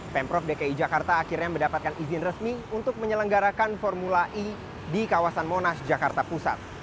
pemprov dki jakarta akhirnya mendapatkan izin resmi untuk menyelenggarakan formula e di kawasan monas jakarta pusat